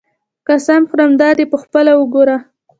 قسم خورم دادی خپله وګوره.